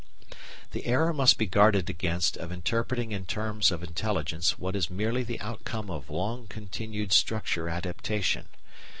The error must be guarded against of interpreting in terms of intelligence what is merely the outcome of long continued structure adaptation.